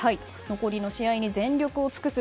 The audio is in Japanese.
残りの試合に全力を尽くす。